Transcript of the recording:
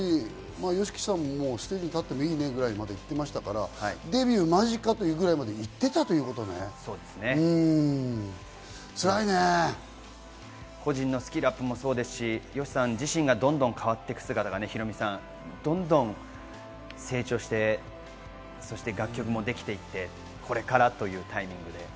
ＹＯＳＨＩＫＩさんもステージに立ってもいいねぐらいにまで言っていましたからデビュー間近というぐらいまで、行っていたと個人のスキルアップもそうですし、ＹＯＳＨＩさん自身がどんどん変わっていく姿がヒロミさん、どんどん成長して、楽曲もできていて、これからというタイミングで。